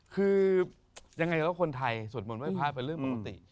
คือยังไงก็คนไทยสวดมนต์ไห้พระเป็นเรื่องปกติ